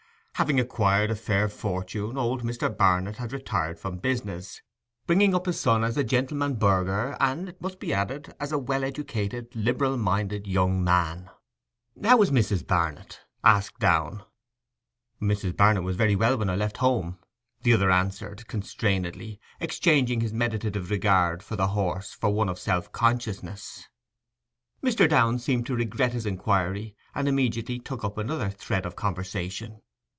Having acquired a fair fortune, old Mr. Barnet had retired from business, bringing up his son as a gentleman burgher, and, it must be added, as a well educated, liberal minded young man. 'How is Mrs. Barnet?' asked Downe. 'Mrs. Barnet was very well when I left home,' the other answered constrainedly, exchanging his meditative regard of the horse for one of self consciousness. Mr. Downe seemed to regret his inquiry, and immediately took up another thread of conversation.